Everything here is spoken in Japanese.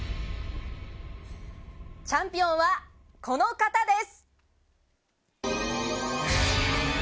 チャンピオンは、この方です。